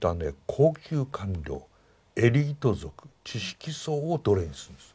高級官僚エリート族知識層を奴隷にするんです。